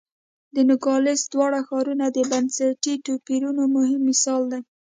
د نوګالس دواړه ښارونه د بنسټي توپیرونو مهم مثال دی.